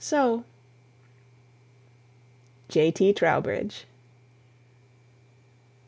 so!" J.T. TROWBRIDGE.